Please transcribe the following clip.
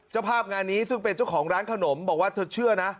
เจ้าภาพงานนี้ซึ่งเป็นเจ้าของร้านขนมบอกว่าเธอเชื่อนะ